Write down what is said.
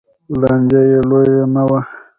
لانجه یې لویه نه وه